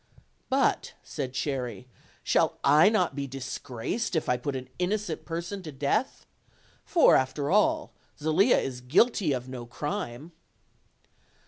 "But," said Cherry, "shall I not be disgraced if I put an innocent person to death? for, after all, Zelia is guilty of no crime."